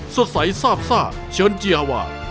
สวัสสายซาบซ่าเชิญเจียวา